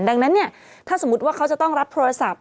ดังนั้นเนี่ยถ้าสมมุติว่าเขาจะต้องรับโทรศัพท์